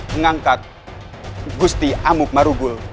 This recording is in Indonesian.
mengangkat gusti amuk marugul